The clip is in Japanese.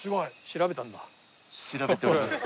調べております。